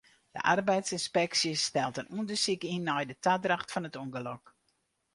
De arbeidsynspeksje stelt in ûndersyk yn nei de tadracht fan it ûngelok.